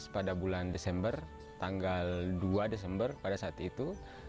pada bulan desember tanggal dua desember pada saat itu